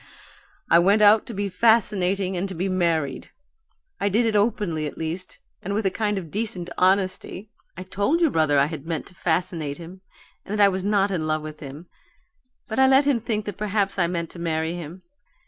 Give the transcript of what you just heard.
I went out to be fascinating and be married. I did it openly, at least, and with a kind of decent honesty. I told your brother I had meant to fascinate him and that I was not in love with him, but I let him think that perhaps I meant to marry him.